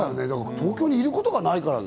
東京にいることがないからね。